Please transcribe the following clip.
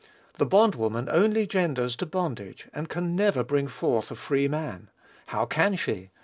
The bond woman only genders to bondage, and can never bring forth a free man. How can she?